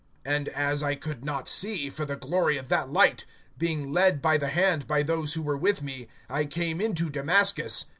(11)And as I could not see, for the glory of that light, being led by the hand by those who were with me, I came into Damascus.